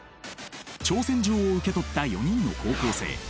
挑戦状を受け取った４人の高校生。